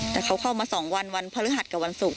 แต่เขาเข้ามา๒วันวันพฤหัสกับวันศุกร์